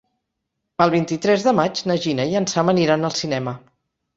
El vint-i-tres de maig na Gina i en Sam aniran al cinema.